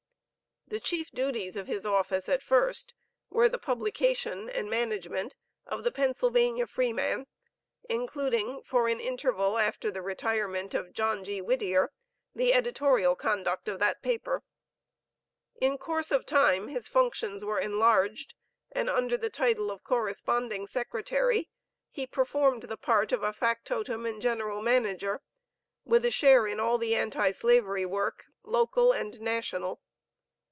The chief duties of his office at first, were the publication and management of the Pennsylvania Freeman, including, for an interval after the retirement of John G. Whittier, the editorial conduct of that paper. In course of time his functions were enlarged, and under the title of Corresponding Secretary, he performed the part of a factotum and general manager, with a share in all the anti slavery work, local and national.